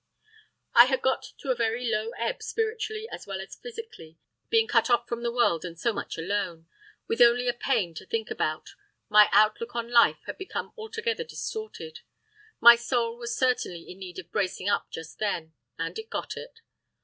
I had got to a very low ebb spiritually as well as physically. Being cut off from the world and so much alone, with only a pain to think about, my outlook on life had become altogether distorted. My soul was certainly in need of a bracing up just then—and it got it.